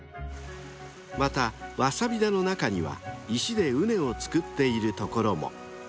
［またわさび田の中には石で畝を作っているところも］